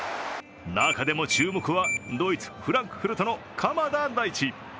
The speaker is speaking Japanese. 中でも注目は、ドイツ・フランクフルトの鎌田大地。